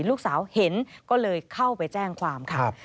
ลูกสาวเห็นก็เลยเข้าไปแจ้งความค่ะ